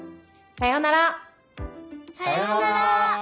さようなら。